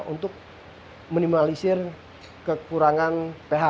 untuk minimalisir kekurangan ph